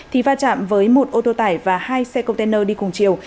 thì va chạm với một ô tô tải và hai xe container đi cùng chiều